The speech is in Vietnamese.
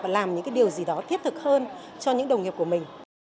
và làm những cái điều gì đó thiết thực hơn cho những đồng nghiệp của mình